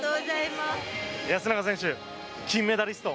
安永選手、金メダリスト